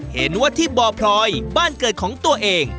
เห็นว่าที่บ่อพลอยบ้านเกิดของตัวเอง